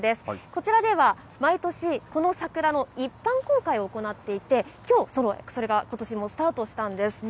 こちらでは毎年、この桜の一般公開を行っていて、きょう、それがことしもスタートしたんです。